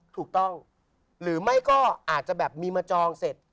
ถูกต้องหรือไม่ก็อาจจะแบบมีมาจองเสร็จ